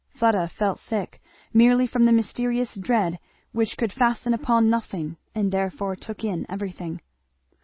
Fleda felt sick, merely from the mysterious dread which could fasten upon nothing and therefore took in everything.